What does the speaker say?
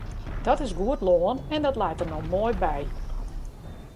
Dat is goed lân en dat leit der no moai by.